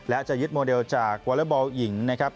และจะยึดโมเดลจากวอเลอร์บอลหญิงนะครับ